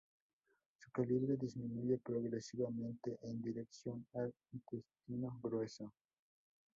Su calibre disminuye progresivamente en dirección al intestino grueso.